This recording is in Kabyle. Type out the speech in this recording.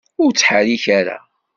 Ur ttḥerrik ara!